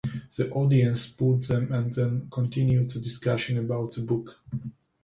The audience booed them and then continued the discussion about the book.